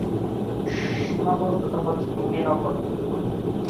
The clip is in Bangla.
সীমাবদ্ধতা হচ্ছে ডোমেইন অপর্যাপ্ত।